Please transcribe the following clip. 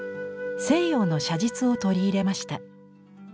西洋の写実を取り入れました。